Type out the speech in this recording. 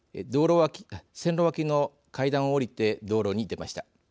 線路脇の階段を下りて道路に出ました。